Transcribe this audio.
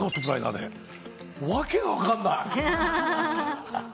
訳が分かんない。